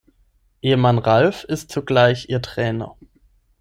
Ehemann Ralf ist zugleich ihr Trainer.